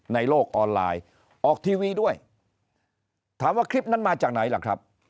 ในโลกออนไลน์ออกทีวีด้วยถามว่าคลิปนั้นมาจากไหนล่ะครับ